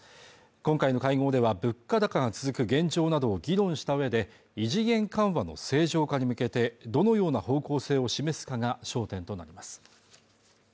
今回の会合では物価高が続く現状などを議論したうえで異次元緩和の正常化に向けてどのような方向性を示すかが焦点となります